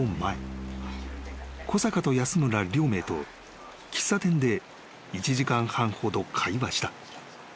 ［小坂と安村両名と喫茶店で１時間半ほど会話した］